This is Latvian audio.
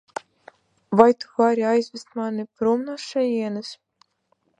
Vai tu vari aizvest mani prom no šejienes?